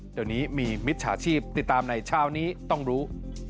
เดี๋ยวนี้มีมิจฉาชีพติดตามในเช้านี้ต้องรู้